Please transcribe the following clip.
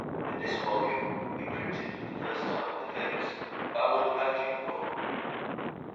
In this volume he printed for the first time the famous "Ballad of Agincourt".